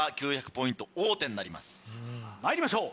まいりましょう。